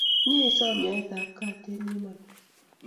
Mie isom nyoet ap kaat eng' ye malo.